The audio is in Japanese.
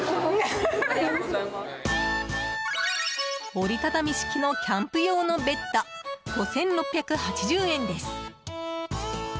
折り畳み式のキャンプ用のベッド５６８０円です。